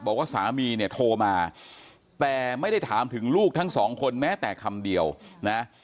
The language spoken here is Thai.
บอกว่าสามีเนี่ยโทรมาแต่ไม่ได้ถามถึงลูกทั้งสองคนแม้แต่คำเดียวนะ